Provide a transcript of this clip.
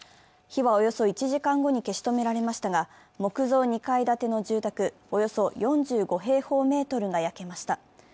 火はおよそ１時間後に消し止められましたが木造２階建ての住宅およそ４５平方メートルが焼けました。